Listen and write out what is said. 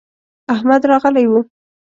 احمد راغلی و.